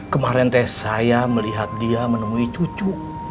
kemarin tes saya melihat dia menemui cucu